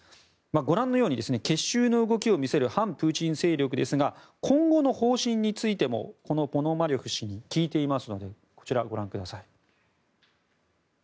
ご覧のように結集の動きを見せる反プーチン勢力ですが今後の方針についてもポノマリョフ氏に聞いています。